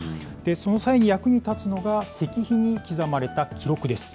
その際に役に立つのが、石碑に刻まれた記録です。